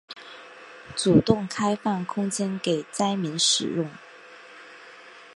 主动开放空间给灾民使用